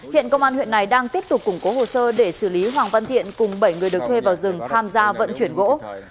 hiện công an huyện này đang tiếp tục củng cố hồ sơ để xử lý hoàng văn thiện cùng bảy người được thuê vào rừng tham gia vận chuyển gỗ